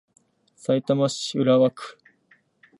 さいたま市浦和区